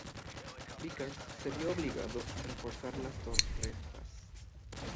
Vickers se vio obligado a reforzar las torretas.